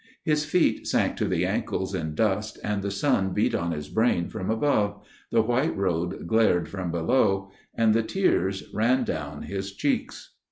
His feet sank to the ankles in dust, the sun beat on to his brain from above, the white road glared from below ; and the tears ran down his cheeks.